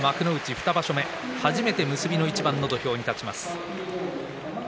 ２場所目初めて結びの土俵に立ちます。